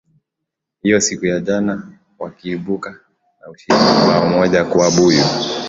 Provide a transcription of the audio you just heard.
hiyo siku ya jana wakiibuka na ushindi bao moja kwa buyu